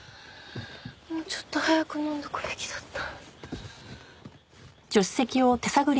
もうちょっと早く飲んでおくべきだった。